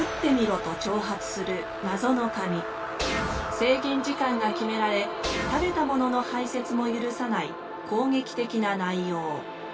制限時間が決められ食べたものの排せつも許さない攻撃的な内容。